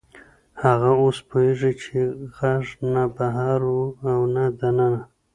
هغه اوس پوهېږي چې غږ نه بهر و او نه دننه.